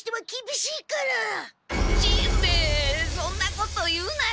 しんべヱそんなこと言うなよ。